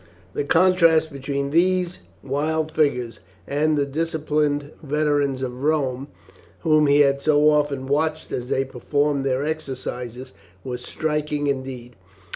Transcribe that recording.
The contrast between these wild figures and the disciplined veterans of Rome, whom he had so often watched as they performed their exercises, was striking indeed.